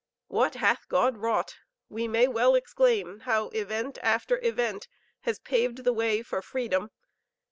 What hath God wrought! We may well exclaim how event after event has paved the way for freedom.